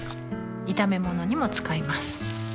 炒め物にも使います